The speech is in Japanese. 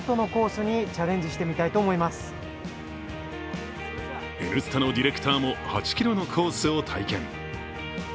「Ｎスタ」のディレクターも８ｋｍのコースを体験。